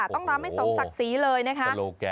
ต้องทำให้สมศักดิ์ศรีเลยนะคะ